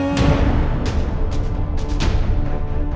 nih ga ada apa apa